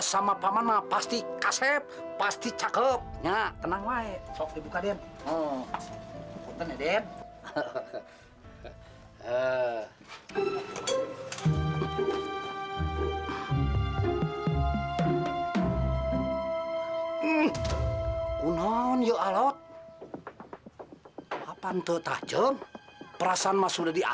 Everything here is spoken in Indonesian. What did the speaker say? sampai jumpa di video selanjutnya